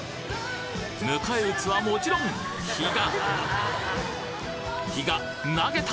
迎え撃つはもちろん比嘉比嘉投げた！